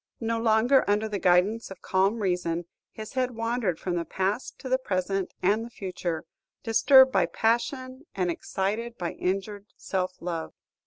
No longer under the guidance of calm reason, his head wandered from the past to the present and the future, disturbed by passion and excited by injured self love.